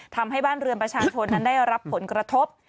ทำให้บ้านเรือนประชาชนนั้นได้รับผลกระทบ